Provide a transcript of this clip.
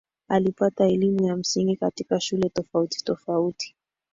Alipata elimu ya msingi katika shule tofauti tofati